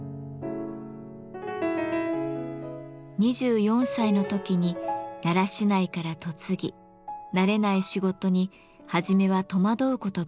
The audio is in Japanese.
２４歳の時に奈良市内から嫁ぎ慣れない仕事にはじめは戸惑うことばかりだったといいます。